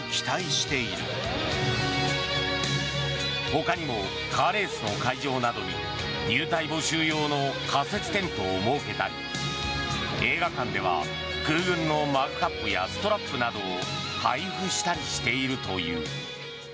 ほかにもカーレースの会場などに入隊募集用の仮設テントを設けたり映画館では空軍のマグカップやストラップなどを配布したりしているという。